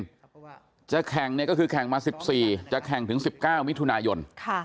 ที่ฟิลิปปินส์จะแข่งก็คือแข่งมา๑๔จะแข่งถึง๑๙วิทยุณายน